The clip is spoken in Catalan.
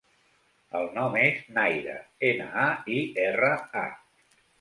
El nom és Naira: ena, a, i, erra, a.